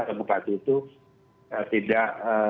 atau bupati itu tidak